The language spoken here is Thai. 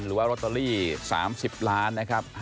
หรือว่าลอตเตอรี่๓๐ล้านนะครับ